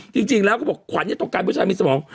จริงแล้วเขาบอกขวัญต้องการผู้ชายมีสมอง